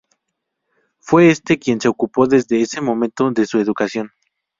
Fue este quien se ocupó desde ese momento de su educación.